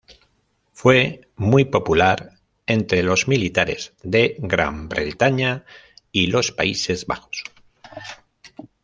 Fue muy popular entre los militares de Gran Bretaña y los Países Bajos.